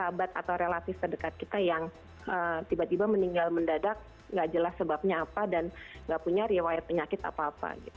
jadi ada yang sahabat atau relatif terdekat kita yang tiba tiba meninggal mendadak gak jelas sebabnya apa dan gak punya riwayat penyakit apa apa gitu